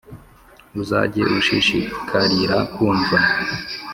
Uzajye ushishikarira kumva,